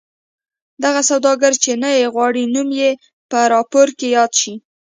دغه سوداګر چې نه غواړي نوم یې په راپور کې یاد شي.